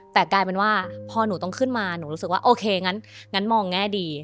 แต่กลายเป็นว่าพอหนูต้องขึ้นมาหนูรู้สึกว่าโอเคงั้นมองแง่ดี